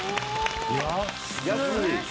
安い。